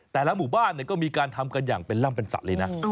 แต่ละหมู่บ้านก็มีการทำกันอย่างเป็นร่ำเป็นสัตว์เลยนะ